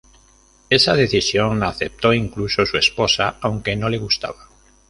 Esa decisión la aceptó incluso su esposa aunque no le gustaba.